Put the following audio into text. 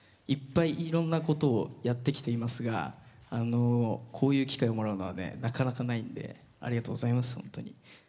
いっぱい、いろんなことをやってきていますがこういう機会をもらうのはなかなかないんでありがとうございます、本当に。